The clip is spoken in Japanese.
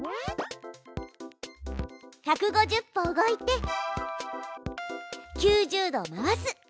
１５０歩動いて９０度回す。